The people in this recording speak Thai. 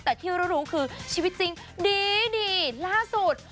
แต่ที่รู้คือชีวิตจริงดีล่าสุด